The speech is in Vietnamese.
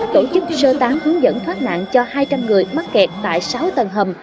tổ chức sơ tán hướng dẫn thoát nạn cho hai trăm linh người mắc kẹt tại sáu tầng hầm